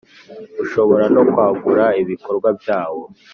Ushobora no kwagura ibikorwa byawo